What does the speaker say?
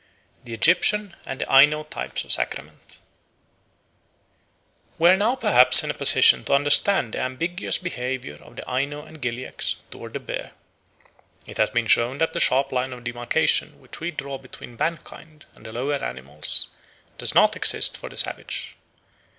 The Egyptian and the Aino Types of Sacrament WE are now perhaps in a position to understand the ambiguous behaviour of the Aino and Gilyaks towards the bear. It has been shown that the sharp line of demarcation which we draw between mankind and the lower animals does not exist for the savage.